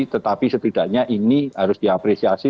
tetapi setidaknya ini harus diapresiasi